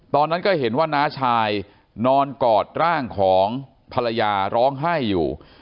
ตอนนั้นก็เห็นว่าน้าชายนอนกอดร่างของภรรยาร้องไห้อยู่